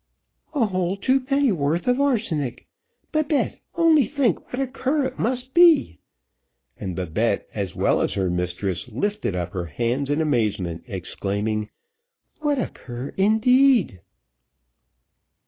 "A whole two pennyworth of arsenic! Babette, only think what a cur it must be!" And Babette, as well as her mistress, lifted up her hands in amazement, exclaiming, "What a cur indeed!"